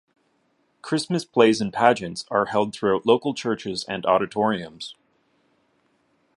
Christmas plays and pageants are held throughout local churches and auditoriums.